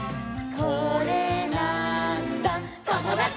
「これなーんだ『ともだち！』」